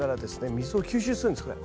水を吸収するんですこれ。